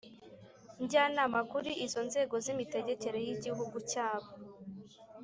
Njyanama kuri izo nzego z imitegekere y Igihugu cyabo